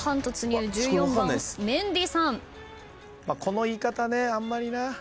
まあこの言い方ねあんまりな。